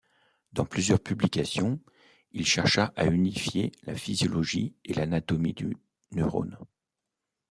Dans plusieurs publications, il chercha à unifier la physiologie et l'anatomie du neurone.